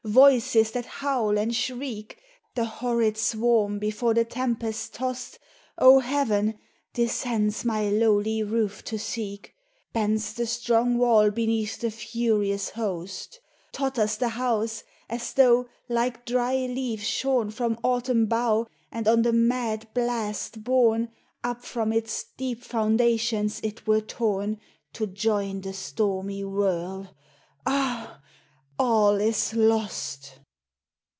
voices that howl and shriek ! The horrid swarm before the tempest tossed— O Heaven !— descends my lowly roof to seek : Bends the strong wall beneath the furious host. 02 POEMS OF FANCY. Totters the house, as though, like dry leaf shorn From autumn bough and on the mad blast borne, Up from its deep foundations it were torn To join the stormy whirl. Ah ! all is lost